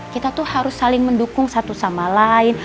kita tuh harus saling mendukung satu sama lain